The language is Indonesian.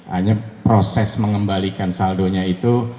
hanya proses mengembalikan saldonya itu